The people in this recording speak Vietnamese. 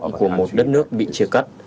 cơn ác mộng của một đất nước bị chia cắt